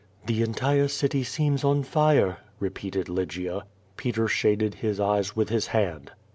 The entire city seems on fire," repeated Lygia. Peter shaded his eyes with his hand.